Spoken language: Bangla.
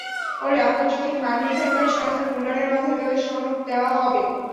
পরে আন্তর্জাতিক মান নির্ধারণকারী সংস্থার মূল্যায়নের মাধ্যমে তাঁদের সনদ দেওয়া হবে।